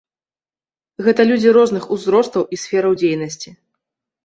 Гэта людзі розных узростаў і сфераў дзейнасці.